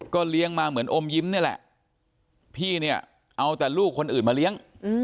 ก็เลี้ยงมาเหมือนอมยิ้มนี่แหละพี่เนี่ยเอาแต่ลูกคนอื่นมาเลี้ยง